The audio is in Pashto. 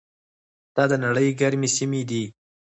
دا د نړۍ ګرمې سیمې دي.